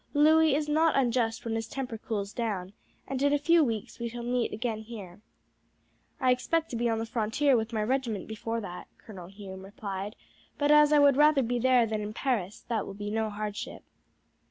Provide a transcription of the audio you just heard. Louis is not unjust when his temper cools down, and in a few weeks we shall meet again here." "I expect to be on the frontier with my regiment before that," Colonel Hume replied; "but as I would rather be there than in Paris that will be no hardship."